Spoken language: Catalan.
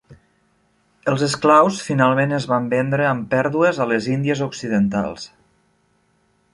Els esclaus finalment es van vendre amb pèrdues a les Índies Occidentals.